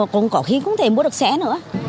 cũng có khi không thể mua được xe nữa